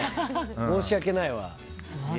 申し訳ないわ。